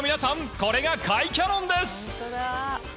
これが甲斐キャノンです。